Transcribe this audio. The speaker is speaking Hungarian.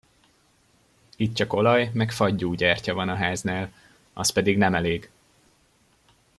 Itt csak olaj meg faggyúgyertya van a háznál, az pedig nem elég!